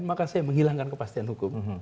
maka saya menghilangkan kepastian hukum